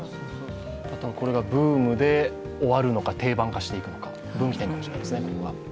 これがブームで終わるのか、定番化していくのか、分岐点ですね。